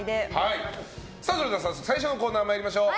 それでは早速最初のコーナー参りましょう。